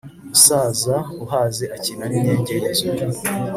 Umusaza uhaze akina n’imyenge y’inzu.